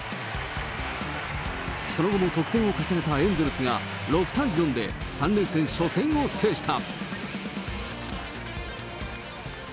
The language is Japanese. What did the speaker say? その後も得点を重ねたエンゼルスが６対４で、３連戦初戦を制した。